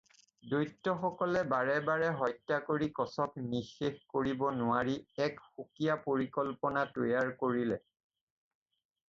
দৈত্যসকলে বাৰে বাৰে হত্যা কৰি কচক নিঃশেষ কৰিব নোৱাৰি এক সুকীয়া পৰিকল্পনা তৈয়াৰ কৰিলে।